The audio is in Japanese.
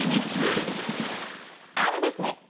あのですね